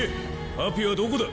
パピはどこだ？